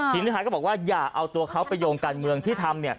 ทีนี้ท้ายก็บอกว่าอย่าเอาตัวเขาไปโยงการเมืองที่ทำ